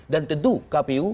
dan tentu kpu